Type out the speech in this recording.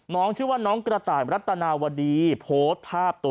ชื่อว่าน้องกระต่ายรัตนาวดีโพสต์ภาพตัว